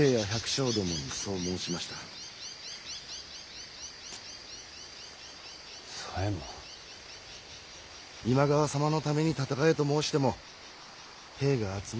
今川様のために戦えと申しても兵が集まりませぬで。